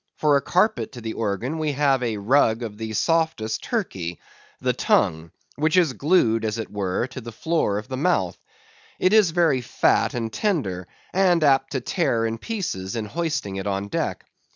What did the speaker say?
For a carpet to the organ we have a rug of the softest Turkey—the tongue, which is glued, as it were, to the floor of the mouth. It is very fat and tender, and apt to tear in pieces in hoisting it on deck.